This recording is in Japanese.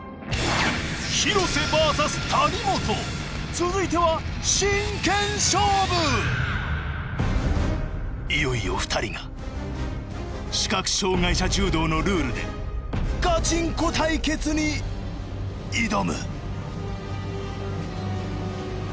続いてはいよいよ２人が視覚障がい者柔道のルールでガチンコ対決に挑む！